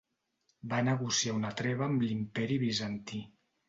Va negociar una treva amb l'Imperi Bizantí.